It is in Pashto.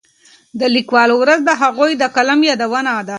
د لیکوالو ورځ د هغوی د قلم یادونه ده.